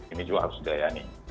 ini juga harus diayani